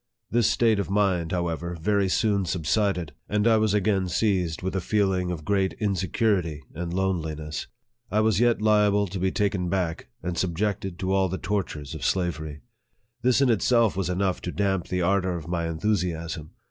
This state of mind, however, very soon subsided ; and I was again seized with a feeling of great 108 NARRATIVE OF THE insecurity and loneliness. I was yet liable to be taken back, and subjected to all the tortures of slavery. This in itself was enough to damp the ardor of my enthu siasm.